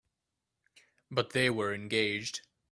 But they were engaged.